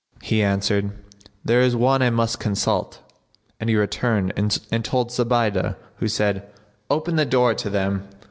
"[FN#70] He answered, "There is one I must consult;" and he returned and told Zubaydah who said, "Open the door to them."